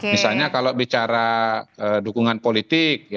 misalnya kalau bicara dukungan politik